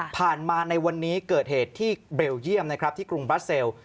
ผ่านมาในวันนี้เกิดเหตุที่เบลเยี่ยมนะครับที่กรุงบราเซล